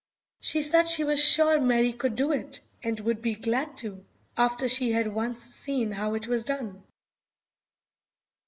She said she was sure Mary could do it, and would be glad to, after she had once seen how it was done.